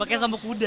pake sampo kuda